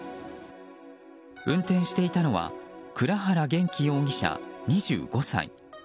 運転していたのは倉原弦岐容疑者、２５歳。